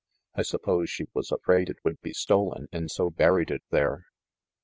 "I suppose she was afraid it would be stolen, and so buried it there."